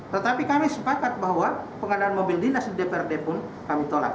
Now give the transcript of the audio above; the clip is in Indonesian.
tetapi kami sepakat bahwa pengadaan mobil dinas di dprd pun kami tolak